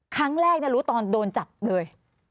ครั้งแรกรู้ตอนโดนจับเลย